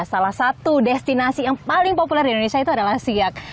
salah satu destinasi yang paling populer di indonesia itu adalah siak